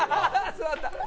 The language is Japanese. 座った。